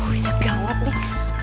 wih segawat nih